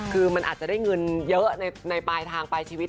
คือมันอาจจะได้เงินเยอะในปลายทางปลายชีวิต